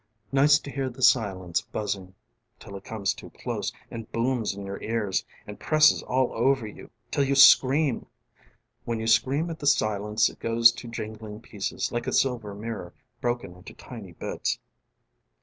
Nice to hear the silence buzzingŌĆö till it comes too close and booms in your ears and presses all over you till you screamŌĆ". When you scream at the silence it goes to jingling pieces like a silver mirror broken into tiny bits.